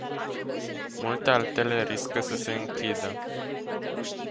Multe altele riscă să se închidă.